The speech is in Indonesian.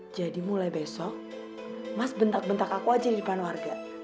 jadi mulai besok mas bentak bentak aku aja di depan warga